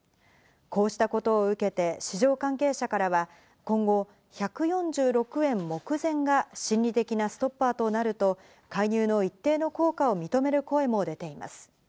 こうしたことを受けて市場関係者からは今後１４６円目前が心理的なストッパーとなると、介入の一定の効果を認める声も出ています。